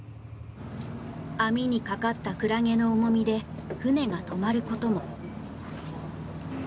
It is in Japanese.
網にかかったクラゲの重みで船が止まることも。